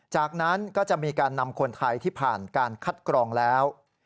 จากนั้นก็จะมีการนำคนไทยที่ผ่านการคัดกรองแล้ว